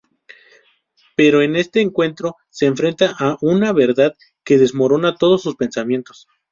Pero en este encuentro se enfrenta a una verdad que desmorona todos sus pensamientos.